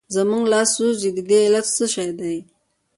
زموږ لاس سوځي د دې علت څه شی دی؟